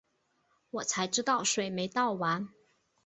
我才知道水没倒完